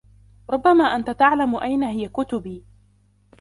ربما أنت تعلم أين هي كتبي.